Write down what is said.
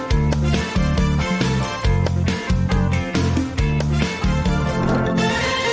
โปรดติดตามตอนต่อไป